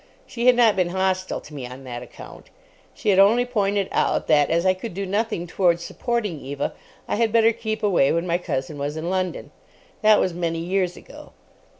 She had not been hostile to me on that account. She had only pointed out that as I could do nothing towards supporting Eva I had better keep away when my cousin was in London. That was many years ago.